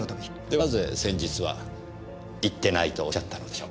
なぜ先日は行ってないとおっしゃったのでしょう？